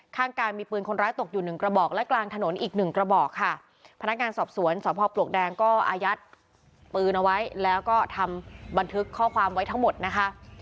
ข้างกลางมีปืนคนร้ายตกอยู่หนึ่งกระบอกและกลางถนนอีกหนึ่งกระบอกค่ะพนักงานสอบสวนสพปลวกแดงก็อายัดปืนเอาไว้แล้วก็ทำบันทึกข้อความไว้ทั้งหมดนะคะ